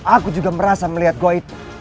aku juga merasa melihat gua itu